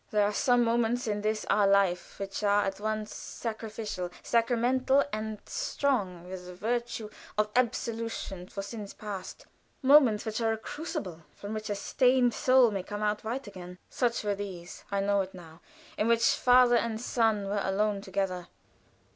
There are some moments in this our life which are at once sacrificial, sacramental, and strong with the virtue of absolution for sins past; moments which are a crucible from which a stained soul may come out white again. Such were these I know it now in which father and son were alone together.